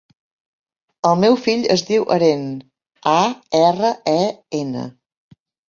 El meu fill es diu Aren: a, erra, e, ena.